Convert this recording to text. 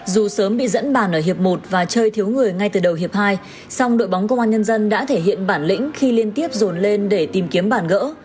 dù sớm bị dẫn bàn ở hiệp một và chơi thiếu người ngay từ đầu hiệp hai song đội bóng công an nhân dân đã thể hiện bản lĩnh khi liên tiếp rồn lên để tìm kiếm bàn gỡ